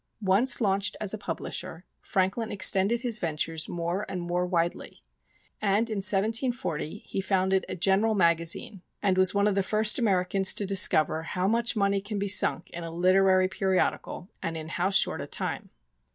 Once launched as a publisher, Franklin extended his ventures more and more widely; and in 1740 he founded a General Magazine, and was one of the first Americans to discover how much money can be sunk in a literary periodical and in how short a time.